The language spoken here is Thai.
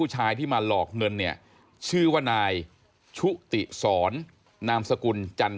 เขาบอกว่าเขาเป็นลูกศิษย์ของอาจารย์